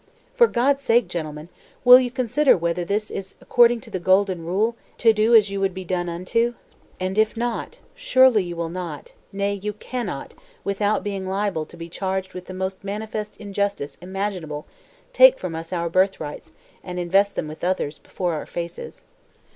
"For God's sake, gentlemen, will you consider whether this is according to the golden rule, to do as you would be done unto? And if not, surely you will not, nay, you cannot, without being liable to be charged with the most manifest injustice imaginable, take from us our birthrights, and invest them in others, before our faces."